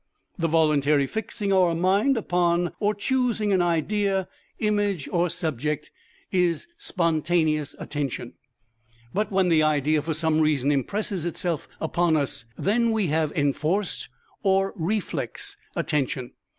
The voluntary fixing our mind upon, or choosing an idea, image, or subject, is spontaneous attention, but when the idea for some reason impresses itself upon us then we have enforced, or reflex attention.